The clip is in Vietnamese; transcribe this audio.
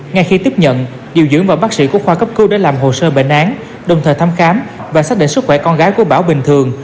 ngay khi tiếp nhận điều dưỡng và bác sĩ của khoa cấp cứu để làm hồ sơ bệnh án đồng thời thăm khám và xác định sức khỏe con gái của bảo bình thường